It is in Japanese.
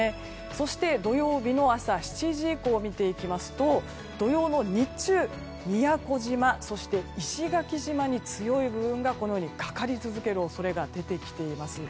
そして、土曜日の朝７時以降を見ていきますと土曜の日中、宮古島そして石垣島に強い部分がかかり続ける恐れが出てきています。